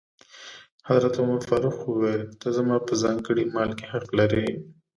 حضرت عمر فاروق وویل: ته زما په ځانګړي مال کې حق لرې.